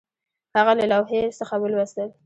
هغه له لوحې څخه ولوستل